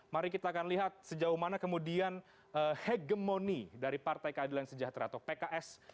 mari kita akan lihat sejauh mana kemudian hegemoni dari partai keadilan sejahtera atau pks